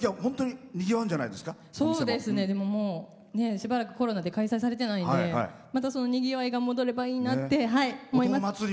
しばらくコロナで開催されてないのでまたにぎわいが戻ればいいなって思います。